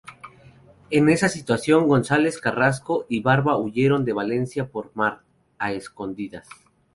En esa situación, González Carrasco y Barba huyeron de Valencia por mar, a escondidas.